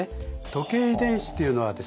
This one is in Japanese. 時計遺伝子というのはですね